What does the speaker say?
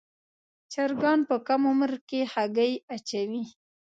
چرګان په کم عمر کې هګۍ اچوي.